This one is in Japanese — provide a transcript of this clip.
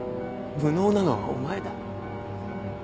無能なのはお前だ。